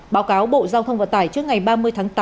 báo cáo bộ giao thông vận tải trước ngày ba mươi tháng tám